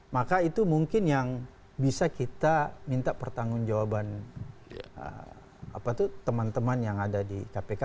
maka itu mungkin yang bisa kita minta pertanggung jawaban teman teman yang ada di kpk